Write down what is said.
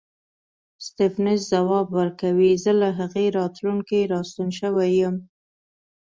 سټېفنس ځواب ورکوي زه له هغې راتلونکې راستون شوی یم.